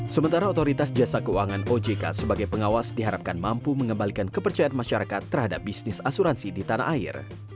sementara otoritas jasa keuangan ojk sebagai pengawas diharapkan mampu mengembalikan kepercayaan masyarakat terhadap bisnis asuransi di tanah air